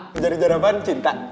ngejar ngejar apaan cinta